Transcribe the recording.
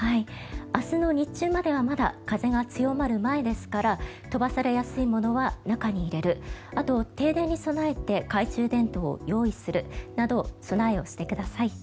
明日の日中まではまだ風が強まる前ですから飛ばされやすいものは中に入れるあと、停電に備えて懐中電灯を用意するなど備えをしてください。